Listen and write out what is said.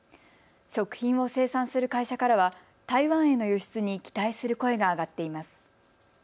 食品を生産する会社からは台湾への輸出に期待する声が上がっています。